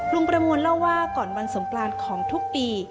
ประมวลเล่าว่าก่อนวันสงกรานของทุกปี